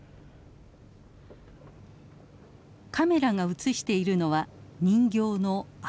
カメラが映しているのは人形の足。